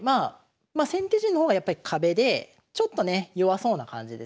まあ先手陣の方がやっぱり壁でちょっとね弱そうな感じですよね。